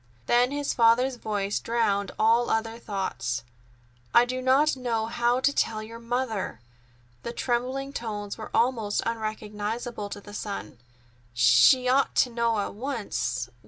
Then his father's voice drowned all other thoughts: "I do not know how to tell your poor mother!" The trembling tones were almost unrecognizable to the son. "She ought to know at once.